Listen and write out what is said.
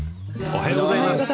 おはようございます。